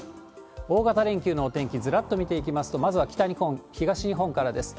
大型連休のお天気、ずらっと見ていきますと、まずは北日本、東日本からです。